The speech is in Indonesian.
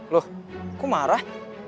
loh kok marah